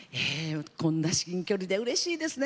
こんな至近距離でうれしいですね。